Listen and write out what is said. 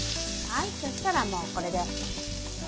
はいそしたらもうこれでＯＫです。